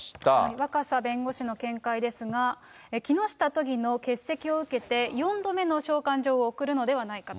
若狭弁護士の見解ですが、木下都議の欠席を受けて、４度目の召喚状を送るのではないかと。